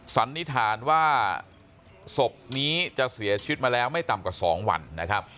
สันนิษฐานว่าศพนี้จะเสียชีวิตมาแล้วไม่ต่ำกว่า๒วันนะครับ